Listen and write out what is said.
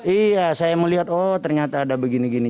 iya saya melihat oh ternyata ada begini gini